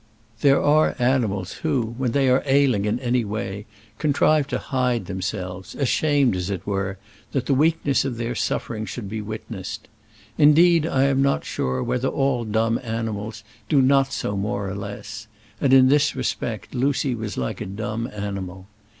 There are animals who, when they are ailing in any way, contrive to hide themselves, ashamed, as it were, that the weakness of their suffering should be witnessed. Indeed, I am not sure whether all dumb animals do not do so more or less; and in this respect Lucy was like a dumb animal.